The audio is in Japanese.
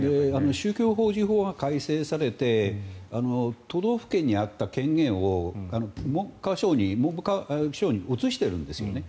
宗教法人法が改正されて都道府県にあった権限を文部科学省に移しているんですね。